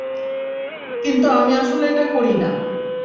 কিন্তু আমি আসলে এটা করি না।